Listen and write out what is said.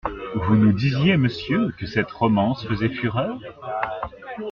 Vous nous disiez, monsieur, que cette romance faisait fureur ?…